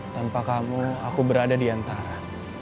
tanpa kamu aku berada di antara